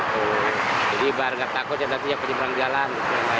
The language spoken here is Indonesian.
jadi barang takut jembatan penyeberangan jalan